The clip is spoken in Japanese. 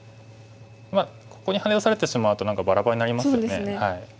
まあここにハネ出されてしまうと何かバラバラになりますよね。